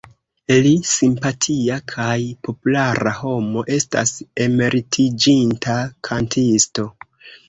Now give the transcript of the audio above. Li, simpatia kaj populara homo, estas emeritiĝinta kantisto.